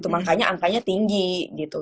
makanya angkanya tinggi gitu